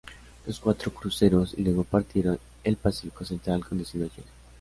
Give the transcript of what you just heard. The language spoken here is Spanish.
Los cuatro cruceros y luego partieron el Pacífico central, con destino a Chile.